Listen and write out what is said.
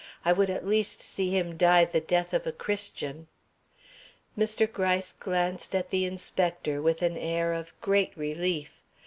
I would at least see him die the death of a Christian.'" Mr. Gryce glanced at the inspector with an air of great relief.